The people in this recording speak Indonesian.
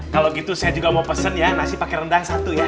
kalau gitu saya juga mau pesen ya nasi pakai rendang satu ya